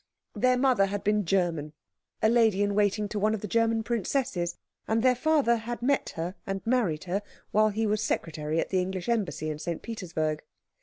Their mother had been German a lady in waiting to one of the German princesses; and their father had met her and married her while he was secretary at the English Embassy in St. Petersburg.